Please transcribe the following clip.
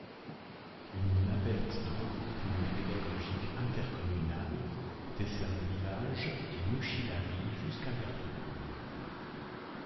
Une navette de regroupement pédagogique intercommunal dessert le village et Mouchy-la-Ville jusqu'à Berthecourt.